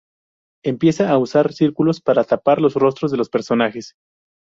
Empieza a usar círculos para tapar los rostros de los personajes.